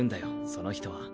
その人は。